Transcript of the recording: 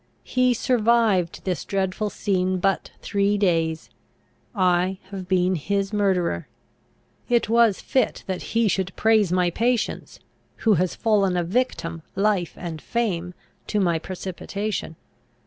He survived this dreadful scene but three days. I have been his murderer. It was fit that he should praise my patience, who has fallen a victim, life and fame, to my precipitation!